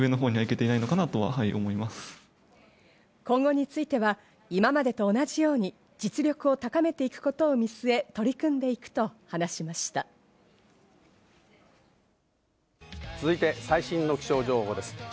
今後については、今までと同じように実力を高めていくことを見据え、取り組んでいくと最新の気象情報です。